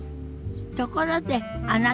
ところであなた